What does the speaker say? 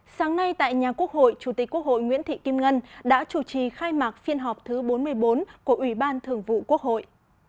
sáng nay tại nhà quốc hội chủ tịch quốc hội nguyễn thị kim ngân đã chủ trì khai mạc phiên họp thứ bốn mươi bốn của ủy ban thường vụ quốc hội